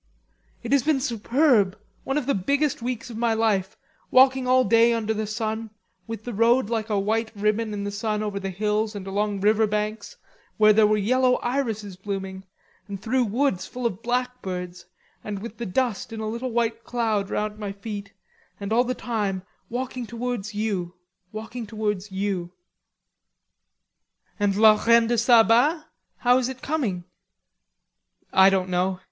"It has been superb, one of the biggest weeks in my life, walking all day under the sun, with the road like a white ribbon in the sun over the hills and along river banks, where there were yellow irises blooming, and through woods full of blackbirds, and with the dust in a little white cloud round my feet, and all the time walking towards you, walking towards you." "And la Reine de Saba, how is it coming?" "I don't know.